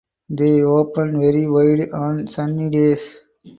They open very wide on sunny days.